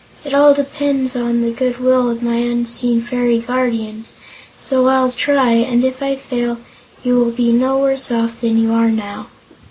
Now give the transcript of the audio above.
It all depends on the good will of my unseen fairy guardians, so I'll try, and if I fail, you will be no worse off than you are now."